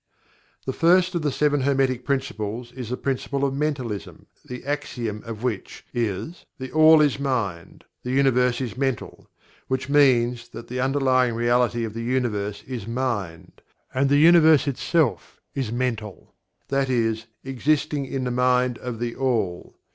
The first of the Seven Hermetic Principles is the Principle of Mentalism, the axiom of which is "THE ALL is Mind; the Universe is Mental," which means that the Underlying Reality of the Universe is Mind; and the Universe itself is Mental that is, "existing in the Mind of THE ALL."